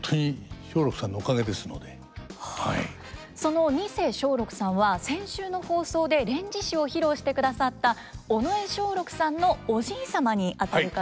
その二世松緑さんは先週の放送で「連獅子」を披露してくださった尾上松緑さんのおじい様にあたる方なんですよね。